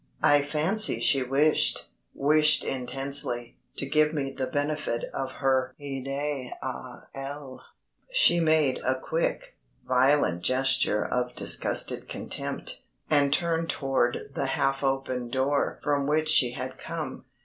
I fancy she wished wished intensely to give me the benefit of her "idée à elle." She made a quick, violent gesture of disgusted contempt, and turned toward the half open door from which she had come.